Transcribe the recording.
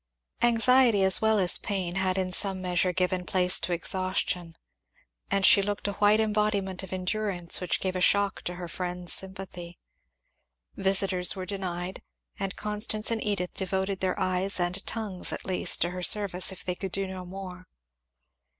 Anxiety as well as pain had in some measure given place to exhaustion, and she looked a white embodiment of endurance which gave a shock to her friends' sympathy. Visitors were denied, and Constance and Edith devoted their eyes and tongues at least to her service, if they could do no more.